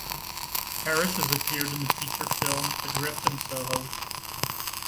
Harris has appeared in the feature film "Adrift in Soho.".